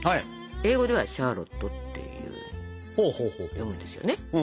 英語では「シャーロット」っていうんですよね。